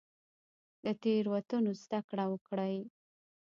له تیروتنو زده کړه وکړئ